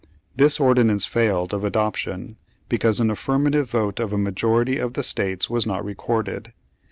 This ordinance failed of adoption because an affirmative vote of a majority of the states was not recorded.